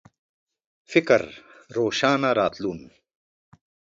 فکر روښانه راتلون